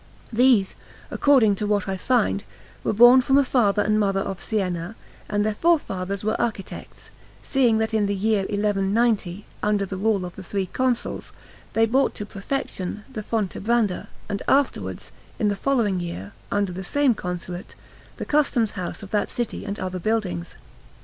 These, according to what I find, were born from a father and mother of Siena, and their forefathers were architects, seeing that in the year 1190, under the rule of the three Consuls, they brought to perfection the Fontebranda, and afterwards, in the following year, under the same Consulate, the Customs house of that city and other buildings.